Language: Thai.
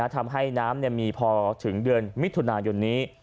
ทำให้น้ำมีพอถึงเดือนมิถุนายนนี้